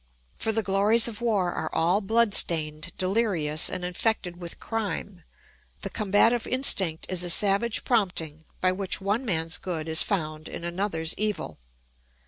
For the glories of war are all blood stained, delirious, and infected with crime; the combative instinct is a savage prompting by which one man's good is found in another's evil.